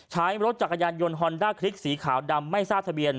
ใช้รถจักรยานยนต์ฮอนด้าคลิกสีขาวดำไม่ทราบทะเบียน